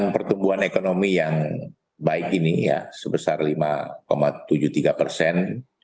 pertumbuhan ekonomi yang baik ini ya sebesar lima tujuh puluh tiga persen